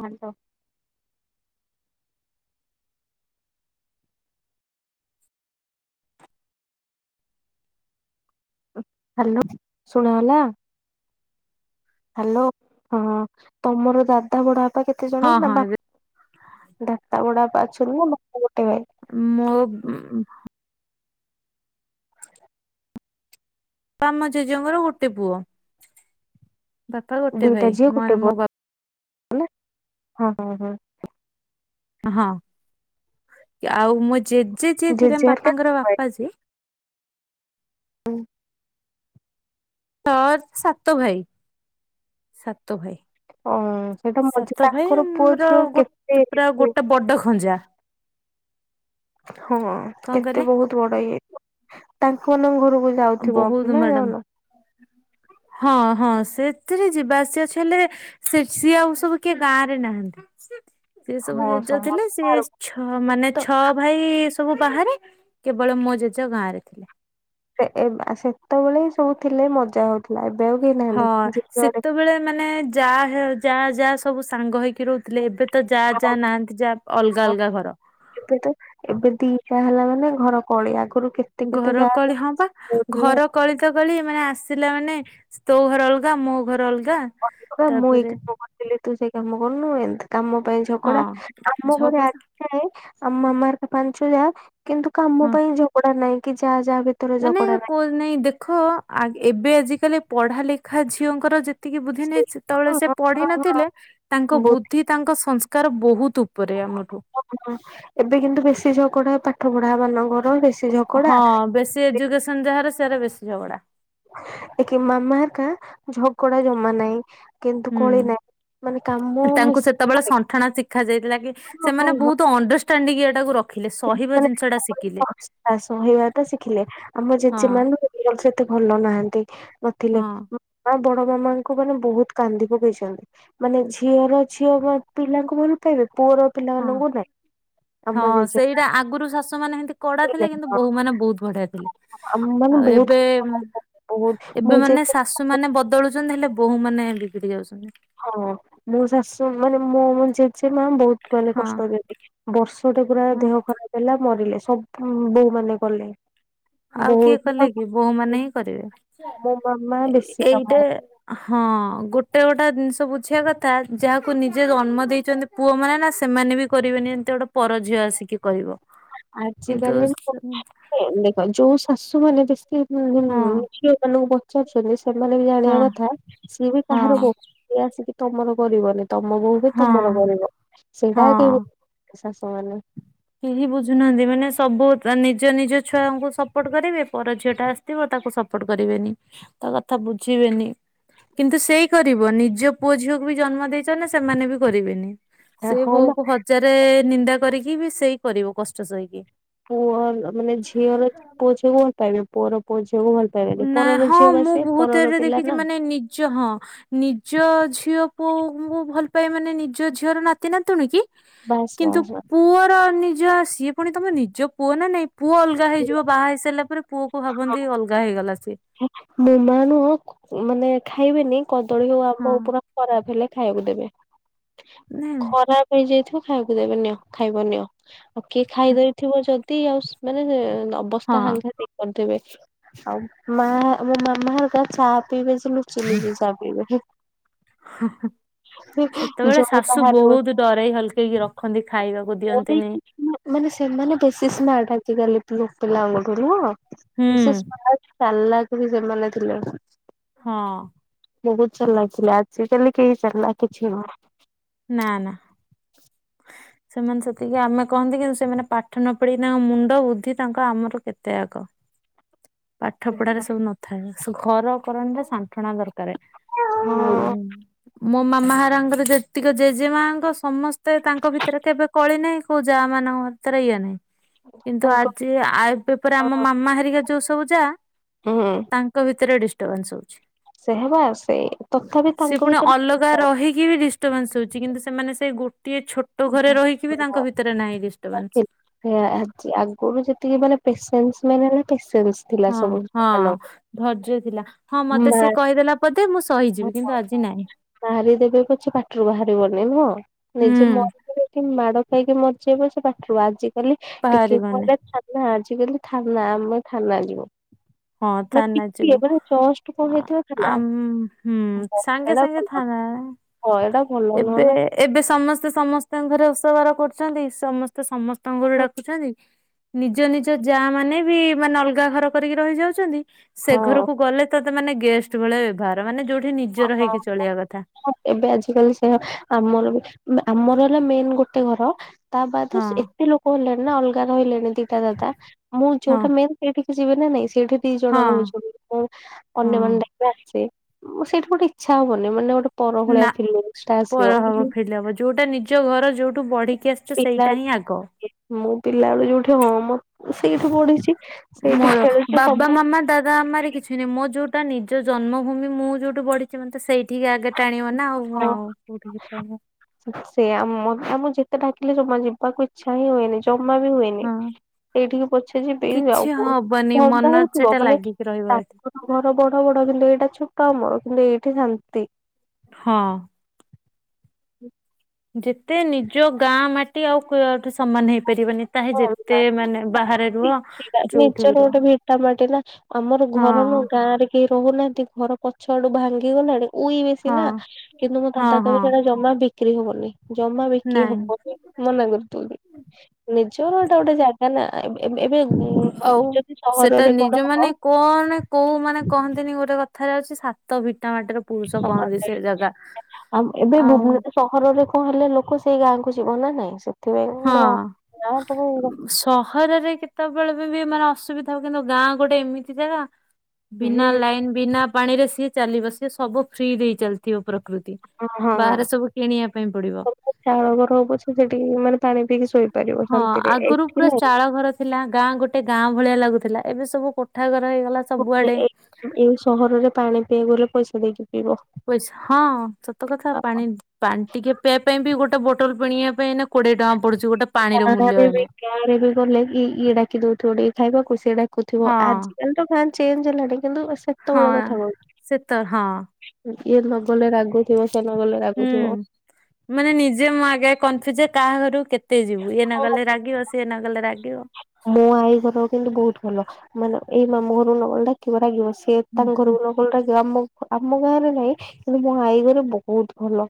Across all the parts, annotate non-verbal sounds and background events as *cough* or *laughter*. କୁହନ୍ତୁ। ହାଲୋ ଶୁଣା ହେଲା। ହାଲୋ ହଁ ତମର ଦାଦା ବଡା ବାପା କେତେ ହଁ ଜଣ ନା ହଁ ଏବେ ବାପ ଦାଦା ବଡ ବା ଅଛନ୍ତି ନା ବା ମୋ ଉମ ତମ ଜେଜେ ଙ୍କର ଗୋଟେ ପୁଅ। ବାପା ର ଗୋଟେ ଦିଟା ଭାଇ ଝିଅ ଗୋଟେ ମାନେ ପୁଅ ମୋ ବୋ ନା ହଁ ହଁ ହଁ। ହଁ ଆଉ ମୁଁ ଜେଜେ ଯିଏ ଥିଲା ଜେଜେ ହେରିକା ବାପାଙ୍କର ବାପା ଯିଏ ହୁଁ। ଛ ସାତ ଭାଇ ସାତ ଭାଇ। ଓ ସେଇଟା ସାତ ମଝି ଭାଇ ତାଙ୍କର ପୁଅ ଆମର ଝିଅ ଗୋଟେ ପୁରା କେତେ? ଗୋଟେ ବଡ ଖଞ୍ଜା ହଁ କଣ କେତେ କହିଲେ ବହୁତ ବଡ ଇଏ। ତାଙ୍କ ମାନ ଘରୁ ଯାଉଥିବ ବହୁତ ନା ମ୍ୟାଡାମ ଯାଉନ ହଁ ହଁ ସେଥିରେ ଯିବା ଆସିବା ଆକଚୁଲି ସେ ସିଏ ଆଉ ସବୁ କିଏ ଗାଁ ରେ ନାହାନ୍ତି। ସିଏ ହଁ ସବୁ ଜେଜେ ଥିଲେ ସମସ୍ତେ ସିଏ ଆର ଛ ମାନେ ତ ଛଅ ଭାଇ-ଇ-ଇ-ଇ ସବୁ ବାହାରେ କେବଳ ମୋ ଜେଜେ ଗାଁ ରେ ଥିଲେ। ଏ-ଏ-ଏ-ଏ ସେତେବେଳେ ହିଁ ସବୁ ଥିଲେ ମଜା ହଉ ହଁ ସେତେବେଳେ ମାନେ ଯାହା ହେ ଯାହା ଯାହା ସବୁ ସାଙ୍ଗ ହେଇକି ରହୁଥିଲେ ଏବେ ତ ଯା ଯା ଯା ନାହାନ୍ତି ଯାହା ଅଲଗା ଅଲଗା ଘର। ଛୁଆ ହେଲା ମାନେ ଘର କଳି ଆଗ ଘରକଳି ହଁ ବା ଘର କଳି ତ କଳି ମାନେ ଆସିଲା ମାନେ ତୋ ଘର ଅଲଗା ମୋ ଘର ଅଲ *inaudible* ବନୁ ଏନ୍ତ କାମ ପାଇଁ ହଁ ଝଗଡା ଆମ ଘରେ ଝଗଡା ଆସିଥାଏ ଆମ ମାମାର ପାଞ୍ଚ ଯା। କିନ୍ତୁ କାମ ହଁ ପାଇଁ ଝଗଡା ନାହିଁ। କି ଯା ମାନେ କୋ ନାଇଁ ଦେଖ ଏବେ ଆଜି କାଲି ପଢ଼ା ଲେଖା ଝିଅଙ୍କର ଯେ ଏତିକି ବୁଦ୍ଧି ସେଇ ନାହି ସେତେବେଳେ ହଁ ସେ ହଁ ପଢି ହଁ ହଁ ନଥିଲେ ତାଙ୍କ ବୁଦ୍ଧି ତାଙ୍କ ସଂ ତାର ବହୁତ ଉପରେ ଆମଠୁ ଓ ଏବେ କିନ୍ତୁ ବେଶି ଝଗଡ଼ା ପା ବୁଢ଼ାମାନଙ୍କର। ହଁ ବେଶୀ ଏଜୁକସନ୍ ଯାହାର ସେ ତାର ବେଶି ଝଗଡ଼ା। ଏକା ମାମା ହେରେକା ଝଗଡା ଜମା ନାହିଁ। କିନ୍ତୁ କଳି ନାହିଁ। ମାନେ କାମ ହୁଁ ତାଙ୍କୁ ମିଶି ସେତେବେଳେ ସଣ୍ଠଣା ସିଖାଯାଇଥିଲାକି ହଁ ସେମାନେ ହଁ ବହୁତ୍ ଅଣ୍ଡରଷ୍ଟା ଣ୍ଡିଙ୍ଗେଟେ ର ମାନେ ସହିବାଟା ଶିଖିଲେ ଆମ ହଁ ଜେଜେ ମାନଙ୍କୁ ଏତେ ଭଲ ନାହାନ୍ତି ବି ନଥିଲେ ହଁ ବଡ ମାମାଙ୍କୁ ମାନେ ବହୁତ କାନ୍ଦି ପକେଇଛନ୍ତି ମାନେ ଝିଅର ଝିଅ ପିଲାଙ୍କୁ ଭଲ ପାଇବେ ପୁଅର ପିଲାମାନଙ୍କୁ ନାଇଁ ଆମ ଜେଜେ ଆଗୁରୁ ଶାଶୁମାନେ ସେ କଡା ଥିଲେ କିନ୍ତୁ ବୋହୂ ମାନେ ବହୁତ୍ ବଢିଆ ଥିଲେ ଆମ ମାନେ ବହୁତ ଏବେ ବହୁତ ମୋ ଏବେ ଜେଜେ ଶାଶୁମାନେ ବଦଳୁଛ କିନ୍ତୁ ହେଲେ ବୋହୁ ମାନେ ବିଗିଡ଼ି ଯାଉଛ ହଁ ମୋ ଶାଶୁ ମାନେ ମୋ ମାନେ ଜେ ସେ ମ୍ୟାମ୍ ବହୁତ୍ ମାନେ ହଁ କଷ୍ଟ ଯେତିକି ବର୍ଷଟା ପୁରା ହଁ ଦେହ ଖରାପ ହେଲା ମରିଲେ ସବୁ ବୋହୁ ମାନେ କଲେ। ଆଉ କିଏ କଲେ ବୋଉ କି ବୋହୂ ମାନେ ହିଁ ମୋ ମାମା କରିବେ ବେଶୀ କାମ ଏଇଟା ହଁ ଗୋଟେ ଗୋଟେ ଜିନିଷ ବୁଝିବା କଥା ଯାହାକୁ ନିଜେ ଜନ୍ମ ଦେଇଛନ୍ତି ପୁଅ ମାନେ ନା ସେମାନେ ବି କରିବେନି ଏମିତି ଗୋଟେ ପର ଝିଅ ଆସିକି କରିବ କିନ୍ତୁ ଆଜିକାଲି ସେ ଦେଖ ଯୋଉ ଶାଶୁ ମାନେ ହୁଁ ହୁଁ ହଁ ହୁଁ ଝିଅମାନଙ୍କ ପା *unintelligible* ସେମାନେ ବି ହଁ ଜାଣିବା କଥା ସିଏ ବି କାହାର ହଁ ବୋହୂ ସେ ଆସିକି ତମର କରିବୁ ଆମେ। ତମ ବୋହୁ ବି ହଁ ତମର କରିବ ସେଇଟା ଆଉ କେହି ହଁ। କ ଶାଶୁମାନେ କେହି ବୁଝୁନାହାନ୍ତି ମାନେ ସବୁ ନିଜ ନିଜ ଛୁଆଙ୍କୁ ସପୋର୍ଟ କରିବେ ପର ଝିଅ ଟା ଆସିଥିବ ତାକୁ ସପୋର୍ଟ କରିବେନି ତା କଥା ବୁଝିବେନି। କିନ୍ତୁ ସେଇ କରିବ ନିଜ ପୁଅ ଝିଅକୁ ବି ଜନ୍ମ ଦେଇଛନ୍ତି ସେମାନେ ବି କରିବେନି। ସେଇ ହଁ ବୋହୁ ମ କୁ ହଜାରେ ନିନ୍ଦା କରିକି ସିବିଶ୍ ସେଇ କରିବ କଷ ପୁଅର ମାନେ ଝିଅର ପୁଅ ଝିଅ କୁ ଭଲ ପାଇବେ। ପୁଅ ର ପୋଜ୍ ନା ହଁ ମୁଁ ବହୁତ ପରର ଥିରେ ପିଲା ଦେଖିଛି ନା। ମାନେ ନିଜ ହଁ ନିଜ୍ ଜ ଝିଅ ପୁଅଙ୍କୁ ଭଲପାଇବେ ମାନେ ନିଜ ଝିଅର ନାତି ନାତୁଣୀ କି। ବାସ୍ କିନ୍ତୁ ବାସ୍ ବାସ୍। ପୁଅର ନିଜ ସିଏ ପୁଣି ତମ ନିଜ ପୁଅ ନା ନାଇଁ ପୁଅ ଅଲଗା ହେଇଯିବ ବାହା ହେଇସାରିଲା ପରେ ପୁଅ କୁ ଭାବନ୍ତି ଅଲ୍ ଗଲାସ୍ ହେ ମୋ ମା ନୁହଁ କ୍ ମାନେ ଖାଇବେନି କଦଳୀ ହଉ ଆମ୍ବ ହୋଉ ପୁରା ନାଇଁ ଖରାପ ହେଲେ ଖାଇବାକୁ ଦେବେ। ନାଇଁ ଖରାପ୍ ହେଇଯାଇଥି ଖାଇବାକୁ ଦେବେ ନିଅ ଖାଇବ ନିିଅ ଆଉ କିଏ ଖାଇଦଇଥିବ ଯଦ୍ ତି ଆଉସ୍ ମାନେ ନ ଅବସ୍ଥା ହଁ ହାଂଘାତିକ୍ କରିଦେବେ ଅମ୍ ମାଆ ମୋ ମାମା ହେରିକା ଚା ପିଇବେ ଜିଲୁ ଚୁଲିରେ ଚା ପିଇବେ ହୁଁ ହୁଁ ହୁଁ ସେତେବେଳେ ଜଣେ ଶାଶୁ ବାହାରେ ବସିବ ବହୁତ ଡରେଇ ହଲ୍ କେଇକି ରଖନ୍ତି ଖାଇବାକୁ ଦିଅନ୍ତିନି ଲୁପ୍ତ ଲାଉଙ୍ଗ ଠୁ ନୁହଁ ହୁଁ ବିଶେଷ ପାଏ ଚାଲାକ୍ ବି ସେମାନେ ଥିଲେ। ହଁ। ବହୁତ ଚାଲାକ୍ ଥିଲେ ଆଜିକାଲି କେହି ଚାଲାକ୍ କିଛି ନୁହଁ। ନା ନା। ସେମାନେ ସେତିକି ଆମେ କହନ୍ତି କିନ୍ତୁ ସେମାନେ ପାଠ ନ ପଢିକିନା ମୁଣ୍ଡ ବୁଦ୍ଧି ତାଙ୍କ ଆମଠୁ କେତେ ଆଗ। ପାଠ ପଢ଼ାରେ ସବୁ ନଥାଏ। ସୁ ଘର କରଣାରେ ସାଣ୍ଠଣା ଦର୍ କାରେ ଆଉ ହଁ ମୋ ମାମା ହେରାଙ୍କର ଯେତିକ ଜେଜେ ମାଙ୍କ ସମସ୍ ତେ ତାଙ୍କ ଭିତରେ କେବେ କଳି ନାହିଁ କୋଉ ଯାଆମାନଙ୍କ ଭିତରେ ଇଏ ନାହିଁ। କିନ୍ତୁ ତାଙ୍କ ଆଜି ଆଇଫ ପେପର ଆମ ମାମା ହେରିକା ଯୋଉ ତୋଉଜା ହୁଁ ତାଙ୍କ ଭିତରେ ଡିଷ୍ଟ ଟଭାନ୍ସ ହଉଛି। ସେହବା ସେଇ ତଥାପି ସେ ତାଙ୍କ ପୁଣି ଭିତରେ ଅଲଗା ଥିବ ରହିକି ବି ଡିଷ୍ଟବାନ୍ସ ହଉଛି। ଆଜି କିନ୍ତୁ ସେମାନେ ସେଇ ଗୁଟ ଟିଏ ଛୋଟ ଘରେ ରହିକି ବି ତାଙ୍କ ଭିତରେ ନାହିଁ ଡିସ ଟବାନ୍ସ। ସେୟା ଆଜି ଆଗରୁ ଯେତିକି ମାନେ ପେସେନ୍ସ ମାନେ ପେ ହଁ ହଁ ଧର୍ଯ୍ୟ ଥିଲା ହଁ ମତେ ସେ କହିଦେଲା ପଦେ ମୁଁ ସହ ହଁ ହଁ ହଁ ମାରିଦେବେ ପଛେ ପାଟିରୁ ବାହାରିବନି ନୁହଁ। ନିଜେ ହୁଁ। ମରିଯିବେ କିନ୍ତୁ ମାଡ ଖାଇକି ମରିଯିବି ପଛେ ପାଟିରୁ ଆଜି। କାଲି ଟିକେ କଣ ବାହାରିବନି। ହେଲେ ଚାଲ ଆଜି। ଟିକେ ବେଲି ଥାନା, ଆମେ ଥାନା ଯିବୁ। ହଁ ମାନେ ଥାନା ଟିକେ ଯିବୁ। ମାନେ ଜଷ୍ଟ କଣ ଆ- ହେଇ ଥିବା ଥାନା। ଆମ୍ ହୁଁ ସାଙ୍ଗେ ଏଇଟା ସାଙ୍ଗେ ଭଲ ଥାନା ଆ, ନୁହଁ ଏଇଟା ଭଲ ନୁହଁ ଏବେ ନା ଏବେ ସମସ୍ତେ ସମସ୍ତଙ୍କ ଘରେ ଓଷାବାର କରୁଛନ୍ତି ସମସ୍ତେ ସମସ୍ତେ। ତଙ୍ଗୁରୁ ଡାକୁଛନ୍ତି। ନିଜ ନିଜ ଯା ମାନେ ବି ମାନେ ଅଲଗା ଘର କରିକି ରହି ଯାଉଛନ୍ତି। ସେ ହଁ ଘରକୁ ଗଲେ ତତ ତତେ ମାନେ ଗେଷ୍ଟ ଭଳିଆ ବ୍ୟବହାର ମାନେ ଯୋଉଠି ହଁ ନିଜର ହଁ ହେଇକି ହଁ ଚଳିବା କଥା ହଁ ଏବେ ଆଜିକାଲି ସେଇଆ ଆମର ବି ମା ଆମର ହେଲା ମେନ୍ ଗୋଟେ ଘର। ତା ବାଦେ ହଁ। ସେ ଏତେ ଲୋକ ହେଲେଣି। ନା ଅଲଗା ରହିଲେଣି। ଦିଟା ଦାଦା ମୁଁ ହଁ ଯୋଉଟା ମେନ୍ ସେଇଠି ଯିବି ନା ନାଇଁ ସେ। ସେଠି ଦି ହଁ ଜଣ ରହୁଛନ୍ତି ମୁଁ ଅନ୍ୟ ହଁ। ମାନେ ଡାକିଲେ ଆସେ। ମୁଁ ସେଇଠି କୋଉଠି ଇଛା ହବନି ମାନେ ଗୋଟେ ପର ଭଳିଆ ନା, ଫିଲିଙ୍ଗସ୍ ଟା ଆସିବ ପର ହବ ଫିଲ୍ ହବ ଯୋଉଟା ନିଜ ଘର ଯୋଉ ତୁ ବଢିକି ଆସିଛ ପିଲା ସେଇଟା ହିଁ ଆଗ। ମୁଁ ପିଲାବେଳୁ ଯୋଉଠି ହଁ ମ। ସେଇଠି ପଢିଛି ସେଇଠି ମୋର ଖେଳୁଛି ବାବା ସବୁ ମାମା ଦାଦା ମମାରେ କିଛି ନାହିଁ ମୋ ଯୋଉଠି ନିଜ ଜନ୍ମଭୂମି ମୁଁ ଯୋଉଠୁ ବଢିଛି ମତେ ସେଇ ଟିକେ ଆଗେ ଟାଣିବ ନା ଆଉ ହଁ ଆଉ କୋଉଠିକ ଟାଣ। ସେ ଆମ ଆମ ଯେତେ ଡାକିଲେ ଜମା ଯିବାକୁ ଇଚଛା ହିଁ ହୁଏନି। ଜମା ବି ହୁଏନି ହଁ ସେଇଠିକି ପଛେ ଯିବି ଆଉ କିଛି କ ହବନି ଧନ୍ଦା ମନ ହେଇଥିବ ସେଟା ମାନେ ଲାଗିକି ରହିବ ଏଠି ତାଙ୍କର ଘର ବଡ ବଡ କିନ୍ତୁ ଏଇଟା ଛୋଟ କମ କିନ୍ତୁ ଏଇଠି ଶନ୍ତି। ହଁ। ହୁଁ। ଯେତେ ନିଜ ଗାଁ ମାଟି ଆଉ କିଏ ସମାନ ହେଇପାରିବନି। ତାହେ ହଁ ଯେତେ ମାନେ ବାହାରେ ରୁହ ସେଟା ଯୋଉଠି ନିଜର ବି ରୁହ ଗୋଟେ ଭିଟାମାଟି ନା ଆମର ଘର ନୁ ହଁ ଗାଁ ରେ କେହି ରହୁନାହାନ୍ତି ଘର। ପଛଡୁ ଭାଙ୍ଗିଗଲାଣି। ଉଇ ବେଶୀ ହଁ ନା କିନ୍ତୁ ମୋ ହଁ ଦାଦା କହିବେ ହଁ ସେଟା ଜମା ଵିକି ଵିକ୍ରି ହବନି। ଜମା ବିକି ନାଇଁ ହବନି ମନା କରିଦଉନ। ଚୋରଟା ଗୋଟେ ଜାଗା ନା ଏବେ ଆଉ ଯଦି ସେଟା ସହରରେ ନିଜ କଣ ହବ ମାନେ । କଣ କୋଉ ମାନେ କହନ୍ତିନି ଗୋଟେ କଥାରେ ଅଛି ସାତ ଭିଟା ମାଟିର। ପୁରୁଷ ହଁ କହନ୍ତି ସେ ଜାଗା ଆ ଏବେ ଆଉ ଭୁବନେଶ୍ୱର ସହରରେ କଣ ହେଲେ ଲୋକ। ତ ସେଇ ଗାଁକୁ ଯିବ ନାାଇଁ । ହଁ ସହରରେ କେତେ? ସେତେବେଳେ ବି ମାନେ ଅସୁବିଧା ହବ କିନ୍ତୁ ଗାଁ ଗୋଟେ ଏମିତି ଜାଗା । ବିନା ହଁ ଲାଇନ ବିନା ପାଣିରେ ସିଏ ଚାଲିବ ସିଏ ସବୁ ଫ୍ରି ଦେଇ ଚାଲିଥିବ। ପ୍ରକୃତି। ହ ହଁ ବାହାରେ ସବୁ କିଣିବା ପାଇଁ ପଡିବ ଚାଳ ଗର ହୋଇ ପଛେ ସେଠିକି ମାନେ ପାଣି। ପିକି ଶୋଇ ହଁ ଆଗରୁ ପୁରା ଚାଳ ଘର ଥିଲା ଗାଁ ଗୋଟେ ଗାଁ ଭଳିଆ ଲାଗୁଥିଲା ଏବେ ସବୁ କୋଠା ଘର ହେଇଗଲା ସବୁଆଡେ। ଏଇ ସହରରେ ପାଣି ପିଇବଲେ। ପଇସା ଦେଇ କିି। ପଇସା ହଁ ସତ କଥା ପାଣି ପାଣି ଟିକେ ପିଇବା ପାଇଁ ବି ଗୋଟେ ବୋଟଲ କିଣିବା ପାଇଁ ନା କୋଏ ଟଙ୍କା ପଡୁଛି। ଗୋଟେ ପାଣିର ଗାଁ ମୂଲ୍ୟ ରେ ଏଇନେ। ଗାଁରେ ବି ଗଲେ ଇଏ ଡାକି ଦେଉଥିବା ଟିକେ। ଖାଇବା କୁ ସିଏ ଡାକେ। ଥିବ ହଁ ଆଜିକାଲି ତ ଖା *unintelligible* ହଁ ସେତ ହଁ। ଇଏ ଲଗେଇଲେ ରାଗୁଥିବ। ସେ ନ ଗଲେ ହୁଁ ରାଗୁଥିବ। ମାନେ ନିଜେ ମା ଆଗେ କନଫ୍ୟୁଜ ଜେ କାହାଘରୁ କେତେ ତେ ଯିବୁ ନ ହଁ ଗଲେ ରାଗିବ ସିଏ ନ ଗଲେ ରାଗିବ। ମୋ ଆଈ ଘର କିନ୍ତୁ ବହୁତ ଭଲ ମାନେ ଏଇ ମାମୁ ଘରୁ ନଗଲେ ଡାକିବ ରାଗିବ। ସିଏ ହୁଁ ତାଙ୍କ ହୁଁ। ଘରକୁ ଗଲେ ଆମକୁ ଡାକିବ। ଆମ ଗାଁରେ ନା ହିଁ କିନ୍ତୁ ମୋ ଆଈ ଘରେ ବହୁତ ଭଲ।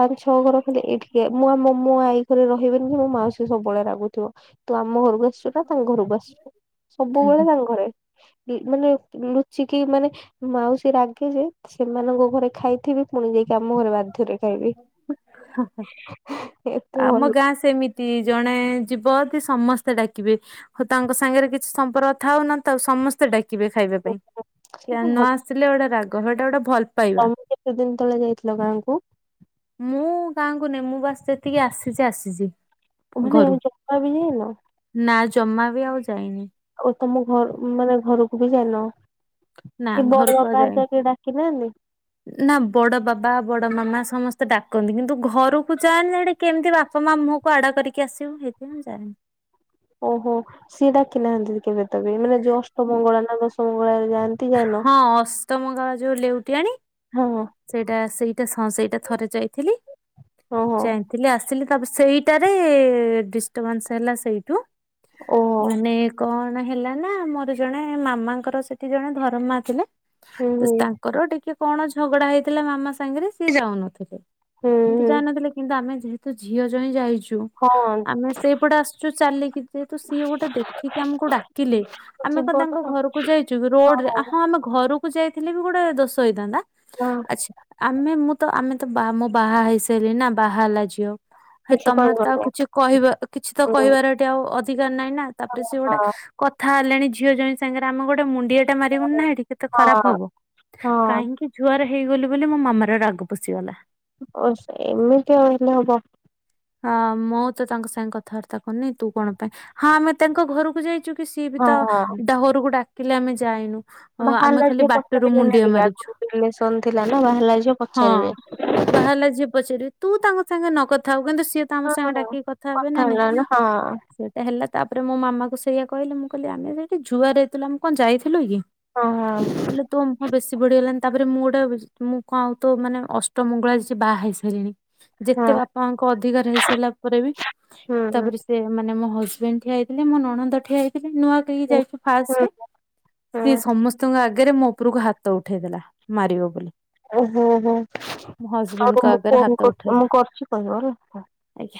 ପାଞ୍ଚ ଛଅ ଘର ଖଣ୍ଡେ ଏଇଠିକି ମୁଁ ଆମ ମୋ ଆଈ ଘରେ ରହିବେନି କି ମୋ ମାଉସୀ ସବୁବେଳେ ରାଗୁଥିବ ତୁ ଆମ ଘରକୁ ଆସୁ ଟା ତାଙ୍କ ଘରକୁ ଆସିିବୁ। ହୁଁ ସବୁବେଳେ ହୁଁ। ତାଙ୍କ ଘରେ ମାନେ ଲୁଚିକି ମାନେ ମାଉସୀ ରାଗେ ଯେ ସେମାନଙ୍କ ଘରେ ଖାଇଥିବି ପୁଣି ଯାଇକି ଆମ ଘରେ ବାଧ୍ୟରେ ଖାଇବି। ଆମ ଭଲ ଗାଁ ସେମ ସେମିତି ଜଣେ ଯିବ ଯଦି ସମସ୍ତେ ଡାକିବେ ହଉ ତାଙ୍କ ସାଙ୍ଗରେ କିଛି ସମ୍ପର୍କ ଥାଉ ନଥାଉ ସମସ୍ତେ ଡାକିବେ। ଡାକିବେ ଖାଇବା ପାଇଁ ନ ଭଲ ଆସିଲେ ଗୋଟେ ରାଗି କହିବେ ଏଇଟା ଗୋଟେ ଭଲ ପାଇବା। ତମେ କେତେ ଦିନ ତଳେ ଯାଇଥିଲ ଗାଁ କୁ । ଗାଁ କୁ ମୁଁ ବର୍ଷେ ତ ଟିକେ ଆସିଛି ଆସିଛି। ଘରୁ। *unintelligible* ଚକା ମିଳିଗଲା। ନା ଜମା ବି ଆଉ ଯାଇନି। ଆଉ ତମ ଘର ମାନେ ଘରକୁ ବି ଯାଇନ। ନା କି ବଡ ଘର ବାପା କୁହାଯାଏ ହେରିକା କେହି ଡାକି ନାହାନ୍ତି? ନା ବଡ ବାବା ବଡ ମାମା ସମସ୍ତେ। ତ ଡାକନ୍ତି କିନ୍ତୁ ଘରକୁ ଯାଏନି କେମିତି ବାପା ମା ମୁହଁକୁ ଆଡା କରିକି ଆସିବୁ ସେ ମୁଁ ଯାଏନି। ଓହୋ ସିଏ ଡାକି ନାହାନ୍ତି କେବେ ତବେ ମାନେ ଉ ଅଷ୍ଟମଙ୍ଗଳା ନା ଦଶ ଅ । ହଁ ଅଷ୍ଟମଙ୍ଗଳାକାଳ ଯୋଉ ଲେଉଟିଆଣି। ହଁ ସେଇଟା ସେଇ ସେଇଟା ହିଁ ସେଇଟା ଥରେ ଯାଇଥିଲି। ଓହୋ ଯାଇଥିଲି ଆସିଲି। ତାପରେ ସେଇଟାରେ ଡିଷ୍ଟର୍ବାନ୍ସ ହେଲା ସେଇଠୁ ଓହୋ ମାନେ କଣ? ନା ହେଲା ନା ମୋର ଜଣେ ମାମାଙ୍କର ସେଠି ଜଣେ ଧରମ ମାଆ ଥିଲେ। ହୁଁ ହୁଁ ତସ୍ ତାଙ୍କର ଟିକେ କଣ? ଝଗଡା ହେଇଥିଲା ମାମା ସାଙ୍ଗରେ ସିଏ ଯାଉନଥିଲେ। ହୁଁ କିନ୍ତୁ ହୁଁ ଜାଣିନଥିଲେ କିନ୍ତୁ ଆମେ ଯେହେତୁ ଝିଅ ଜ୍ୱାଇଁ ଯାଇଛୁ। ହଁ ଆମେ ସେଇପଟେ ଆସୁଛୁ ଚାଲିକି ଯେହେତୁ ସିଏ ଗୋଟେ ଦେଖିକି ଆମକୁ ଡାକିଲେ ଆମେ ଯିବ କ ତାଙ୍କ ନା ଘରକୁ ଯାଇଛୁ ରୋଡରେ ହଁ ଆମେ ଘରକୁ ଯାଇ ଥିଲେ ବି ଗୋଟେ ଦୋଷ ହେଇଥାନ୍ତା। ହଁ ଆଚ୍ଛା ଆମେ ମୁଁ ତ ଆମେ ତ ବା ମୁଁ ବାହା ହେଇସାରିଲିଣି ନା ବାହା ହେଲା ଝିଅ ହେ କିଛି ତମେ ତ ଆଉ କହିବନି କିଛି କହିବା କିଛି ତ ହୁଁ ହଁ କହିବାର ଏଠି ଆଉ ଅ ଧିକାର ନାହିଁ। ନା ତାପରେ ସେ ଗୋଟେ ହଁ କଥା ହେଲେଣି। ଝିଅ ଜ୍ୱାଇଁ ସାଙ୍ଗରେ ଆମର ଗୋଟେ ମୁଁ ଏ ଟା ମାରିବୁନି ନାହି ଟିକେତେ ଖରାପ ହବ ହଁ କାହିଁକି? ହେଇଗଲି ବୋଲି ମୋ ମାମାର ରାଗ ପଶିଗଲା। ଓ ଏମିତି ଆ ହେଲେ ହବ। ହଁ ମୁଁ ତ ତାଙ୍କ ସାଙ୍ଗେ କଥାବାର୍ତ୍ତା କରୁନି ତୁ କଣ ପାଇଁ ହଁ ଆମେ ତାଙ୍କ ଘରକୁ ଯାଇଛୁ। ସିଏ ବି ହଁ ତ ହଁ ଡହରୁକୁ ଡା କିଲେ ଆମେ ଯାଇନୁ। ହଁ ଆମେ ବାହାହେଲା ଖାଲି ଝିଅ ବାଟରୁ ପଚାରିବେନି ମୁଣ୍ଡିଆ ଟିକେ ମାରିଛୁ ରିଲେସନ ଥିଲା ନା ବାହାହେଲା ଝିଅ ହଁ ପଚାରିବେ। ବାହାରିଲା ଝିଅ ପଚାରିବେ ତୁ ତାଙ୍କ ସାଙ୍ଗେ ନକଥା ହଉ *unintelligible* ସିଏ ତ ଆମ ସାଙ୍ଗେ ହଁ ଡାକିକି କଥା ହେବେ ନା ନାଇଁ ହେଲାଣି ହଁ ସେଟା ହେଲା ତାପରେ ମୋ ମାମାକୁ ସେଇଆ କହିଲେ ମୁଁ କହିଲି ଆମେ ତ ଏଠି ଜୁହାର ହେଇଥିଲୁ ଆମେ କଣ ଯାଇଥିଲୁ କି? ହଁ ହେଲେ ତୁମ ମୁହଁ ବେଶୀ ବଢିଗଲାଣି ତା ତାପରେ ମୁଁ ଗୋଟେ ମୁଁ କଣ ଆଉ ତ ମାନେ ଅଷ୍ଟମଙ୍ଗଳା ଛି ବାହା ହେଇ ସାରିଲିଣି। ଯେତେ ହଁ ବାପାଙ୍କ ଅଧିକା ରହି ସାରିଲା ପରେ ବି ହୁଁ ତାପରେ ହୁଁ ସେମାନେ ମୋ ହସ ହଜବେଣ୍ଡ ଠିଆଇଥିଲେ ମୋ ନଣନ୍ଦ ଠିଆଇ ନୂଆ କରିକି ଯାଇଥିଲୁ ହୁଁ ଫାର୍ଷ୍ଟ ହୁଁ ସମସ୍ତଙ୍କ ଆଗେ ଆଗରେ, ମୋ ଉପରକୁ ହାତ ଉଠେଇଦେଲା, ମାରିବ ବୋଲି । ହୁଁ, ହୁଁ, ତ ହଜବେଣ୍ଡଙ୍କ ମୁଁ ଆଗରେ ଫୋନ, ହାତ ମୁଁ ଉଠେଇଲା କରୁଛି, କହିବ । ଓହୋ *inaudible* ଆଜ୍ଞା।